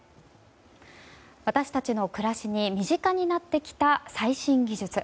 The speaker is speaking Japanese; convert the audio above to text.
私たちの暮らしに身近になってきた最新技術。